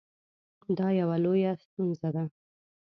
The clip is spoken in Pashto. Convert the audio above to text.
دا یوه لویه ستونزه ده